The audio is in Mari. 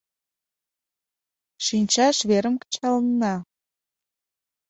— Шинчаш верым кычалынна...